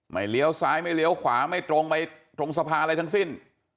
เลี้ยวซ้ายไม่เลี้ยวขวาไม่ตรงไปตรงสะพานอะไรทั้งสิ้น